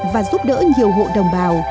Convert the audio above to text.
và giúp đỡ nhiều hộ đồng bào